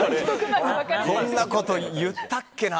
そんなこと言ったかな。